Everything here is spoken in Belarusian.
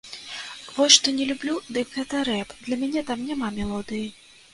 Вось што не люблю, дык гэта рэп, для мяне там няма мелодыі.